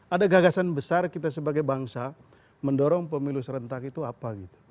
ada gagasan besar kita sebagai bangsa mendorong pemilu serentak itu apa gitu